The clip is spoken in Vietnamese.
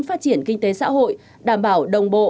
phát triển kinh tế xã hội đảm bảo đồng bộ